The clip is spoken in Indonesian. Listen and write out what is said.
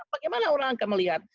bagaimana orang akan melihat